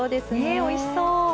おいしそう。